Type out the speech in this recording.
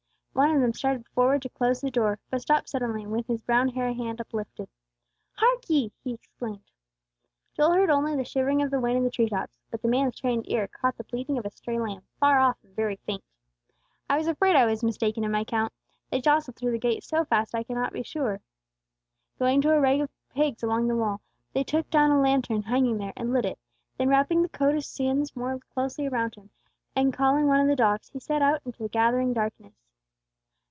One of them started forward to close the door, but stopped suddenly, with his brown hairy hand uplifted. "Hark ye!" he exclaimed. Joel heard only the shivering of the wind in the tree tops; but the man's trained ear caught the bleating of a stray lamb, far off and very faint. "I was afraid I was mistaken in my count; they jostled through the gate so fast I could not be sure." Going to a row of pegs along the wall, he took down a lantern hanging there and lit it; then wrapping his coat of skins more closely around him, and calling one of the dogs, he set out into the gathering darkness.